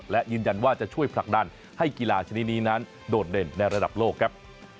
และยืนยันว่าจะช่วยผลักดันให้กีฬาชนิดนี้นั้นโดดเด่นในระดับโลกครับ